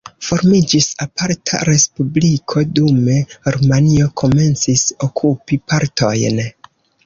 Formiĝis aparta respubliko, dume Rumanio komencis okupi partojn.